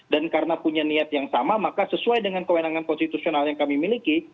dan karena punya niat yang sama maka sesuai dengan kewenangan konstitusional yang kami miliki